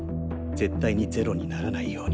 絶対に０にならないように。